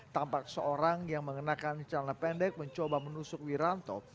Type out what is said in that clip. tampak seorang yang mengenakan celana pendek mencoba menusuk wiranto